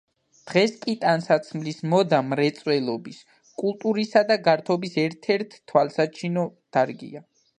დღეს კი ტანსაცმლის მოდა მრეწველობის, კულტურისა და გართობის ერთ-ერთი თვალსაჩინო დარგია.